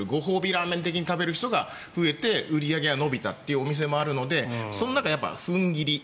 ラーメン的に食べる人が増えて売り上げが伸びたお店もあるのでその中で踏ん切り。